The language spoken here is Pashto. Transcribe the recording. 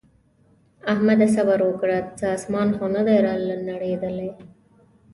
احمده! صبره وکړه څه اسمان خو نه دی رانړېدلی.